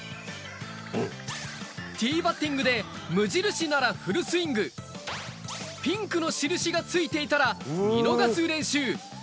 ティーバッティングで無印ならフルスイング、ピンクの印がついていたら見逃す練習。